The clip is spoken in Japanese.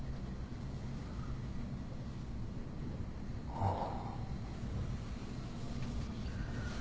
ああ。